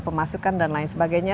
pemasukan dan lain sebagainya